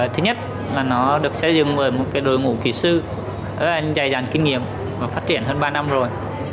thứ nhất là nó được xây dựng bởi một đội ngũ kỹ sư rất là dài dàng kinh nghiệm và phát triển hơn ba năm rồi